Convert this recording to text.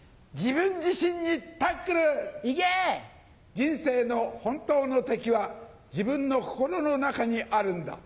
人生の本当の敵は自分の心の中にあるんだ。